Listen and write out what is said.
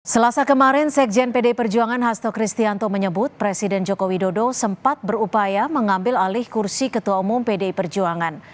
selasa kemarin sekjen pdi perjuangan hasto kristianto menyebut presiden joko widodo sempat berupaya mengambil alih kursi ketua umum pdi perjuangan